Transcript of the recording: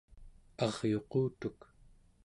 aryuqutuk